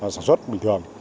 sản xuất bình thường